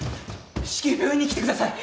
至急病院に来てください！